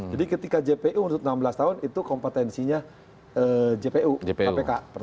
jadi ketika jpu menuntut enam belas tahun itu kompetensinya jpu kpk